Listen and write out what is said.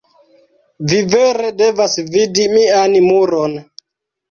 Vi vere devas vidi mian muron.